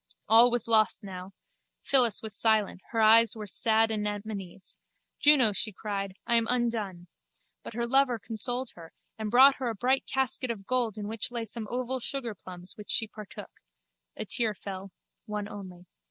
All was lost now. Phyllis was silent: her eyes were sad anemones. Juno, she cried, I am undone. But her lover consoled her and brought her a bright casket of gold in which lay some oval sugarplums which she partook. A tear fell: one only.